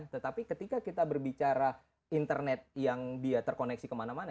tetapi ketika kita berbicara internet yang dia terkoneksi kemana mana